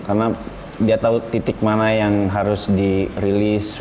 karena dia tahu titik mana yang harus di release